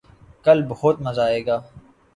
کل بہت مزہ آئے گا